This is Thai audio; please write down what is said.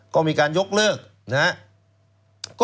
ก็มีการยกเลิก